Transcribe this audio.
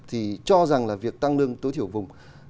thì cho rằng là việc tăng lương tối thiểu vùng